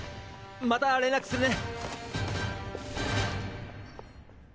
また連絡するね！